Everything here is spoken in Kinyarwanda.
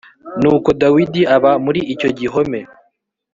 Nuko Dawidi aba muri icyo gihome